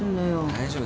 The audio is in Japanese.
大丈夫。